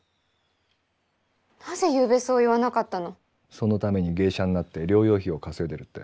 そのために芸者になって療養費を稼いでるって。